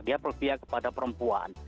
dia berpihak kepada perempuan